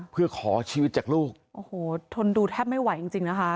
เพื่อขอชีวิตจากลูกโถนดูแทบไม่ไหวจริงนะคะ